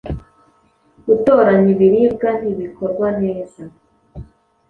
Gutoranya ibiribwa ntibikorwa neza